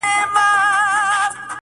o مات لاس د غاړي امېل دئ.